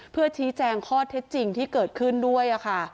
เพื่อชี้แจงข้อเท็จจริงที่เกิดขึ้นด้วยค่ะ